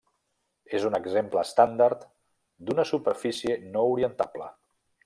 És un exemple estàndard d'una superfície no orientable.